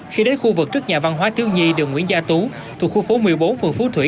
khi đến khu vực trước nhà văn hóa thiếu nhi đường nguyễn gia tú thuộc khu phố một mươi bốn phường phú thủy